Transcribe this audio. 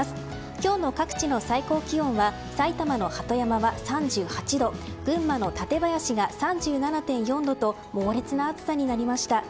今日の各地の最高気温は埼玉の鳩山は３８度群馬の舘林が３７．４度と猛烈な暑さになりました。